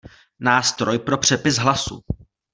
Nástroj pro přepis hlasu.